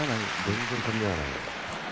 全然噛み合わないね。